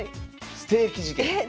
ステーキ事件。